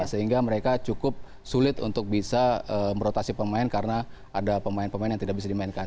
sehingga mereka cukup sulit untuk bisa merotasi pemain karena ada pemain pemain yang tidak bisa dimainkan